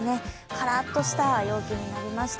カラッとした陽気となりました。